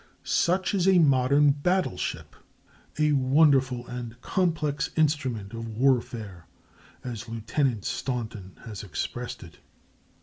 Such is a modern battle ship—a "wonderful and complex instrument of warfare," as Lieutenant Staunton has expressed it.